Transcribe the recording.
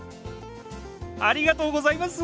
ありがとうございます！